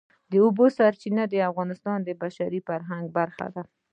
د اوبو سرچینې د افغانستان د بشري فرهنګ برخه ده.